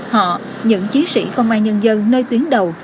họ những chiến sĩ không ai nhân dân nơi tuyến đầu